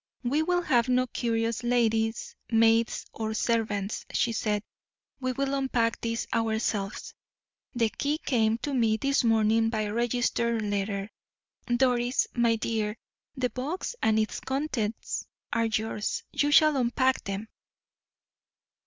"We will have no curious ladies' maids or servants," she said; "we will unpack this ourselves. The key came to me this morning by registered letter. Doris, my dear, the box and its contents are yours you shall unpack them."